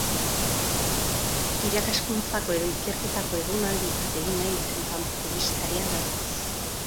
Irakaskuntzako edo ikerketako egonaldi bat egin nahi duten kanpoko bisitariak datoz.